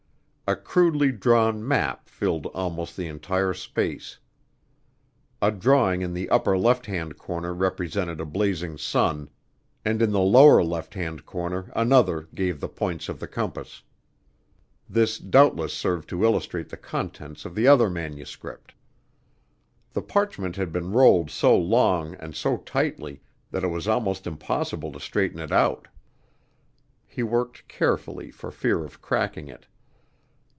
A crudely drawn map filled almost the entire space. A drawing in the upper left hand corner represented a blazing sun, and in the lower left hand corner another gave the points of the compass. This doubtless served to illustrate the contents of the other manuscript. The parchment had been rolled so long and so tightly that it was almost impossible to straighten it out. He worked carefully for fear of cracking it.